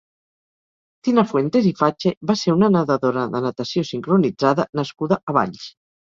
Tina Fuentes i Fache va ser una nadadora de natació sincronitzada nascuda a Valls.